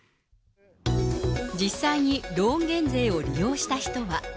実際にローン減税を利用した人は。